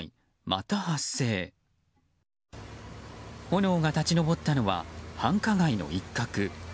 炎が立ち上ったのは繁華街の一角。